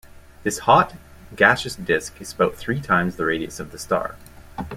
This hot, gaseous disk is about three times the radius of the star.